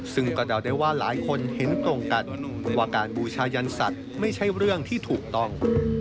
ซึ่งก็เดาได้ว่าหลายคนเห็นตรงกันว่าการบูชายันสัตว์ไม่ใช่เรื่องที่ถูกต้อง